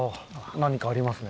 何かありますね。